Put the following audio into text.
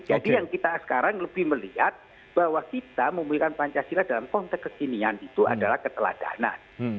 jadi yang kita sekarang lebih melihat bahwa kita membumikan pancasila dalam konteks kekinian itu adalah keteladanan